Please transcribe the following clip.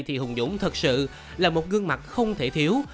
thì hùng dũng thật sự là một gương mặt không thể thiếu